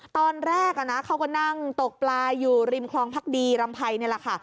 ตอนแรกเขาก็นั่งตกปลาอยู่ริมคลองพักดีรำไพรนี่แหละค่ะ